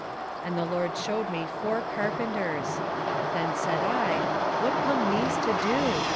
1:20 And the LORD shewed me four carpenters. 1:21 Then said I, What come these to do?